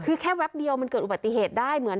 คือแค่แป๊บเดียวมันเกิดอุบัติเหตุได้เหมือน